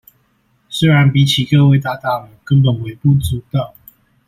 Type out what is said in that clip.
雖然比起各位大大們根本微不足道